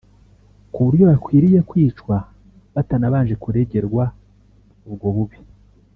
ku buryo bakwiriye kwicwa (batanabanje kuregerwa ubwo bubi